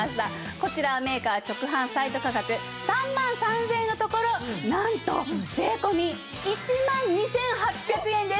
こちらはメーカー直販サイト価格３万３０００円のところなんと税込１万２８００円です。